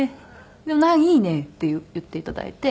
でもまあいいね」って言っていただいて。